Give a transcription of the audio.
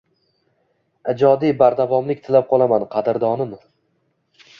Ijodiy bardavomlik tilab qolaman, qadrdonim